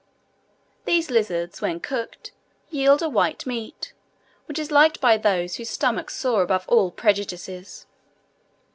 These lizards, when cooked, yield a white meat, which is liked by those whose stomachs soar above all prejudices.